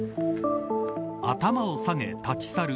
頭を下げ立ち去る